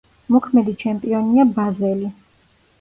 მოქმედი ჩემპიონია „ბაზელი“.